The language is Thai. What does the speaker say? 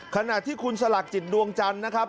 ขณะที่คุณสลักจิตดวงจันทร์นะครับ